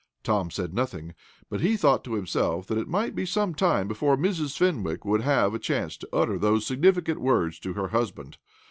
Tom said nothing, but he thought to himself that it might be some time before Mrs. Fenwick would have a chance to utter those significant words to her husband.